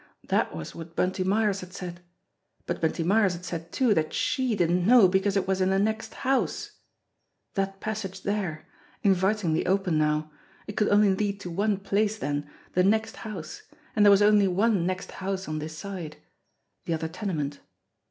That was what Bunty Myers had said. But Bunty Myers had said too that she didn't know because it was in the next house. That pas sage there ! Invitingly open now ! It could only lead to one place then the next house and there was only one next 282 JIMMIE DALE AND THE PHANTOM CLUE house on this side. The other tenement